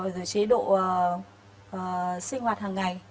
rồi chế độ sinh hoạt hàng ngày